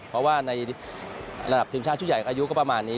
เพราะว่าในระดับทีมชาติชุดใหญ่อายุก็ประมาณนี้